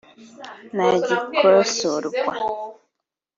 nta gikosorwa